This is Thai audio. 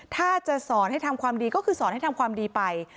ถ้าจะสอนให้ทำความดีก็คือสอนให้ทำความดีไป